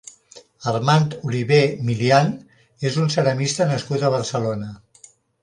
Armand Olivé Milian és un ceramista nascut a Barcelona.